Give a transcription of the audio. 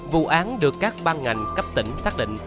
vụ án được các ban ngành cấp tỉnh xác định